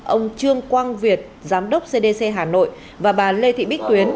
ông trương quang việt giám đốc cdc hà nội và bà lê thị bích tuyến